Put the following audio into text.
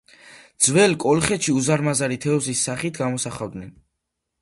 ძველ კოლხეთში უზარმაზარი თევზის სახით გამოსახავდნენ.